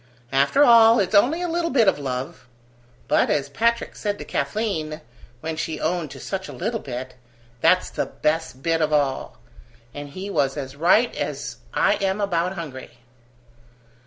After all, it's only a little bit of love. But, as Patrick said to Kathleen, when she owned to such a little bit, 'that's the best bit of all!' and he was as right as I am about hungry."